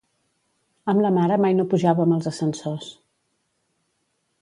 Amb la mare mai no pujàvem als ascensors.